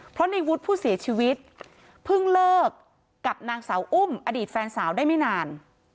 เพราะในวุฒิผู้เสียชีวิตเพิ่งเลิกกับนางสาวอุ้มอดีตแฟนสาวได้ไม่นาน